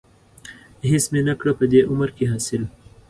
هېڅ مې نه کړه په دې عمر کې حاصل.